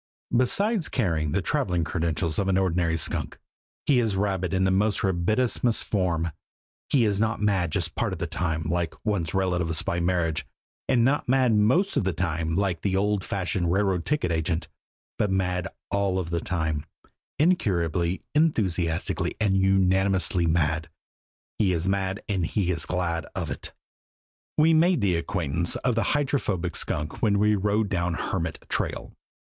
Besides carrying the traveling credentials of an ordinary skunk, he is rabid in the most rabidissimus form. He is not mad just part of the time, like one's relatives by marriage and not mad most of the time, like the old fashioned railroad ticket agent but mad all the time incurably, enthusiastically and unanimously mad! He is mad and he is glad of it. We made the acquaintance of the Hydrophobic Skunk when we rode down Hermit Trail.